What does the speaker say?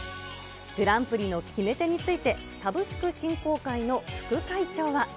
グランプリの決め手について、サブスク振興会の副会長は。